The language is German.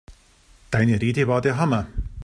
Deine Rede war der Hammer!